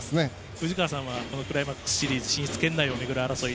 藤川さんはクライマックスシリーズ進出を巡る争い